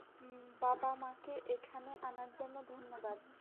বাবা-মাকে এখানে আনার জন্য ধন্যবাদ।